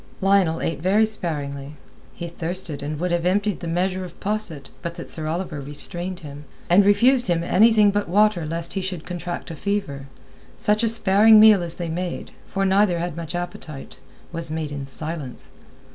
Lionel ate very sparingly. He thirsted and would have emptied the measure of posset, but that Sir Oliver restrained him, and refused him anything but water lest he should contract a fever. Such a sparing meal as they made—for neither had much appetite—was made in silence.